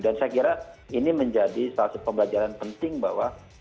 dan saya kira ini menjadi salah satu pembelajaran penting bahwa